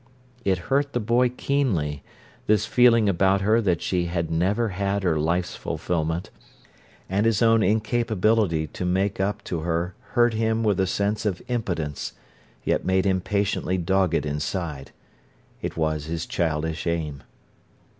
It hurt the boy keenly, this feeling about her that she had never had her life's fulfilment: and his own incapability to make up to her hurt him with a sense of impotence, yet made him patiently dogged inside. It was his childish aim.